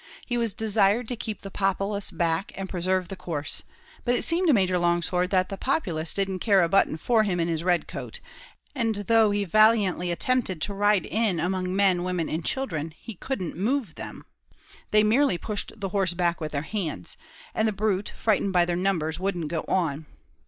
He was desired to keep the populace back and preserve the course; but it seemed to Major Longsword that the populace didn't care a button for him and his red coat, and though he valiantly attempted to ride in among men, women, and children, he couldn't move them; they merely pushed the horse back with their hands, and the brute, frightened by their numbers, wouldn't go on.